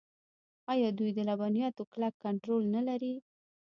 آیا دوی د لبنیاتو کلک کنټرول نلري؟